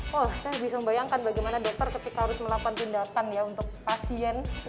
wah saya bisa membayangkan bagaimana dokter ketika harus melakukan tindakan ya untuk pasien